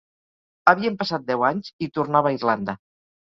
“Havien passat deu anys i tornava a Irlanda”.